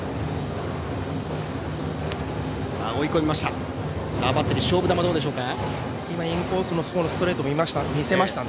追い込みました。